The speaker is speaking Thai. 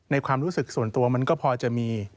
ความรู้สึกส่วนตัวมันก็พอจะมี